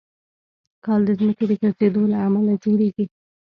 کال د ځمکې د ګرځېدو له امله جوړېږي.